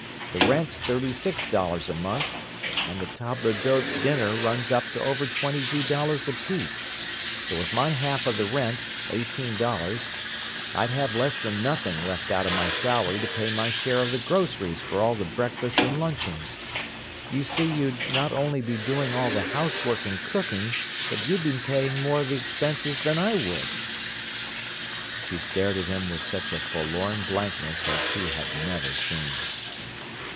The rent's thirty six dollars a month, and the table d'hote dinner runs up to over twenty two dollars apiece, so with my half of the rent—eighteen dollars—I'd have less than nothing left out of my salary to pay my share of the groceries for all the breakfasts and luncheons. You see you'd not only be doing all the housework and cooking, but you'd be paying more of the expenses than I would." She stared at him with such a forlorn blankness as he had never seen.